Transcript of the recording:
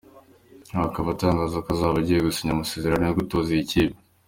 Aha akaba atangaza ko azaba agiye gusinya amasezerano yo gutoza iyi kipe.